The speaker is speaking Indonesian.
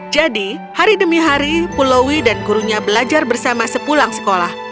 jadi hari demi hari pulaui dan gurunya belajar bersama sepulang sekolah